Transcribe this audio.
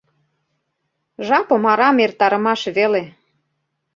жапым арам эртарымаш веле.